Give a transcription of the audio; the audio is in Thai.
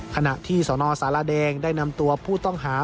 ขณะที่สนสารแดงได้นำตัวผู้ต้องหา